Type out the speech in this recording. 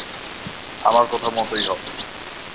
আমার কথা মতোই হবে।